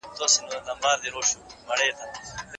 د لــوړو زده کـړو وزارت